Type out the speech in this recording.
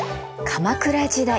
鎌倉時代。